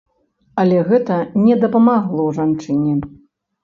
Але гэта не дапамагло жанчыне.